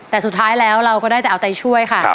แต่สุดท้ายแล้วเราก็ได้แต่เอาใจช่วยค่ะ